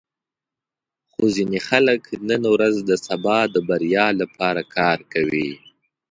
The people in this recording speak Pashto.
خو ځینې خلک نن ورځ د سبا د بریا لپاره کار کوي.